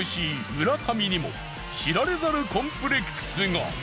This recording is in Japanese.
村上にも知られざるコンプレックスが！